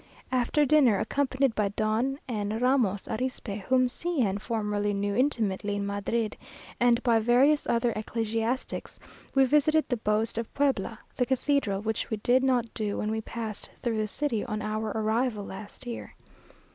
After dinner, accompanied by Don N. Ramos Arispe, whom C n formerly knew intimately in Madrid, and by various other ecclesiastics, we visited the boast of Puebla, the cathedral, which we did not do when we passed through the city on our arrival last year.